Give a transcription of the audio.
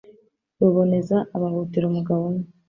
Ruboneza abahutira umugabo umwe